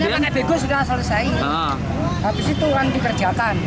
awalnya pakai bego sudah selesai habis itu kan dikerjakan